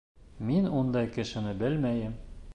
Мин ундай кешене белмәйем.